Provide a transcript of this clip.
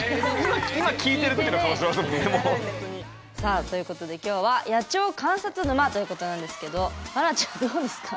さあということできょうは「野鳥観察沼」ということなんですけど華ちゃんどうですか？